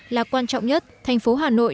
là quan trọng nhất thành phố hà nội